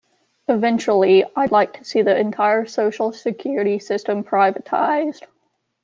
Eventually, I'd like to see the entire Social Security system privatized.